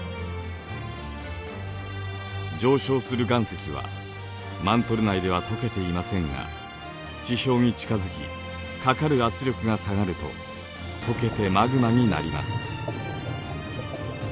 上昇する岩石はマントル内ではとけていませんが地表に近づきかかる圧力が下がるととけてマグマになります。